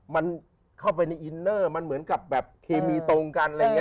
มันเข้าไปในอินเนอร์มันเหมือนกับแบบเคมีตรงกันอะไรอย่างนี้